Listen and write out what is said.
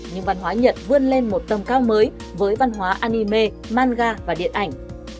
nhưng văn hóa nhật vươn lên một tầm cao mới với văn hóa anime manga và điện ảnh